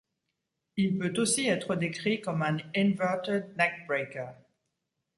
Il peut aussi être décrit comme un inverted neckbreaker.